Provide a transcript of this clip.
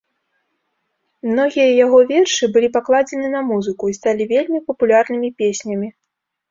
Многія яго вершы былі пакладзены на музыку і сталі вельмі папулярнымі песнямі.